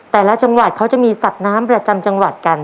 แต่ละจังหวัดเขาจะมีสัตว์น้ำประจำจังหวัดกัน